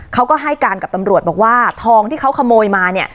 เขาก็ให้การกับตำรวจบอกว่าทองที่เขาขโมยมาเนี่ย